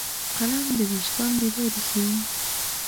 قلم د وجدان بیداري ښيي